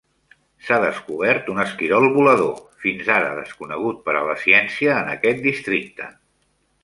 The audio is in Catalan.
S'ha descobert un esquirol volador, fins ara desconegut per a la ciència, en aquest districte.